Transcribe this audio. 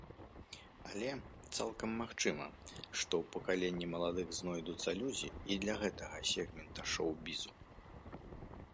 Але, цалкам магчыма, што ў пакаленні маладых знойдуцца людзі і для гэтага сегмента шоў-бізу.